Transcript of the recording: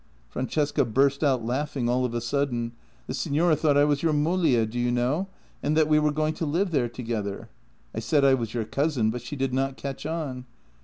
Francesca burst out laughing all of a sudden. " The signora thought I was your moglie, do you know, and that we were going to live there together. I said I was your cousin, but she did not catch on.